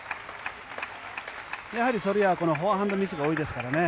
やはりソルヤはこのフォアハンドミスが多いですからね。